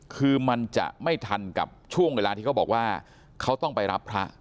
คือมันจะไม่ทันกับช่วงเวลาที่เขาบอกว่าเขาต้องไปรับพระ